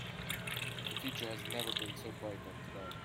The future has never been so bright than today.